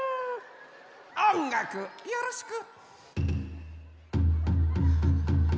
おんがくよろしく！